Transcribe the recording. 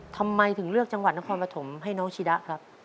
ทำไมถึงเลือกจังหวัดนครปฐมให้น้องชิดะครับ